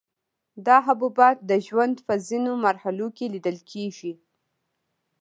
دا حبیبات د ژوند په ځینو مرحلو کې لیدل کیږي.